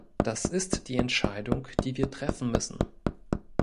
Das ist die Entscheidung, die wir treffen müssen.